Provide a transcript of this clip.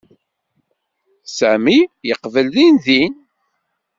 Sami yeqbel dindin.